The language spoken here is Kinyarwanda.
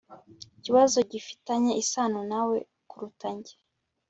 ikibazo gifitanye isano nawe kuruta njye